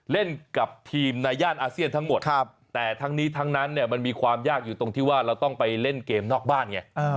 เล่นกับทีมในย่านอาเซียนทั้งหมดแต่ทั้งนี้ทั้งนั้นเนี่ยมันมีความยากอยู่ตรงที่ว่าเราต้องไปเล่นเกมนอกบ้านไง